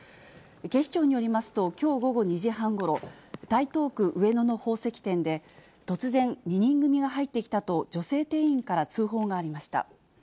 警視庁によりますと、きょう午後２時半ごろ、台東区上野の宝石店で、突然２人組が入ってきたと、女性店員から通報がありました。